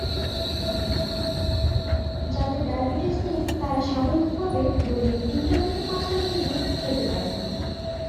যাদের ডায়াবেটিস নেই তারা স্বাভাবিকভাবে দৈনিক তিনটা থেকে পাঁচটা খেজুর খেতে পারেন।